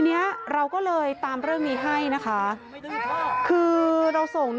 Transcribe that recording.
พี่อัศวินทร์ไม่ดื้อเพราะ